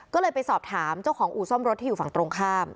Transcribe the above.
ก็เลยไปสอบถามเจ้าของอู่ซ่อมรถที่อยู่ฝั่งตรงข้าม